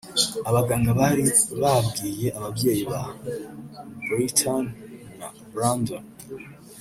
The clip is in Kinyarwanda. Abaganga bari babwiye ababyeyi ba Brittany na Brandon